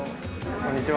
こんにちは。